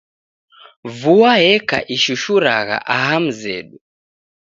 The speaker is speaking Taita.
Vua eka ishushuragha aha mzedu.